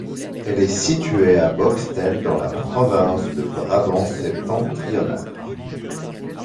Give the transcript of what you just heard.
Elle est située à Boxtel, dans la province du Brabant-Septentrional.